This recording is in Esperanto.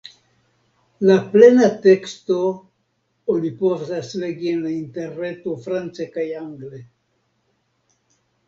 La plena teksto oni povas legi en la Interreto france kaj angle.